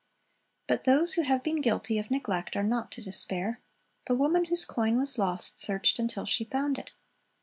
But those who have been guilty of neglect, are not to despair. The woman whose coin was lost searched until she found it.